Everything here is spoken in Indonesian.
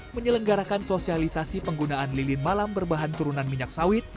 menyelenggarakan sosialisasi penggunaan lilin malam berbahan turunan minyak sawit